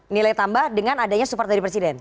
nilai tambah dengan adanya support dari presiden